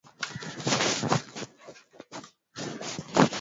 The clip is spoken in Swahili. kote ni msitu wa asili ambao ndani yake